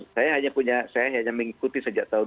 saya hanya mengikuti sejak tahun dua ribu lima belas